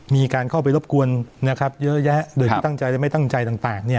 มีการเข้าไปรบกวนนะครับเยอะแยะโดยพิตั้งใจและไม่ตั้งใจต่างเนี่ย